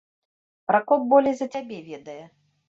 Пракоп болей за цябе ведае.